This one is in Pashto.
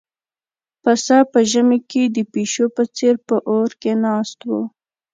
پسه په ژمي کې د پيشو په څېر په اور کې ناست و.